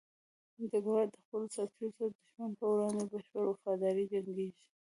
ډګروال د خپلو سرتېرو سره د دښمن په وړاندې په بشپړه وفاداري جنګيږي.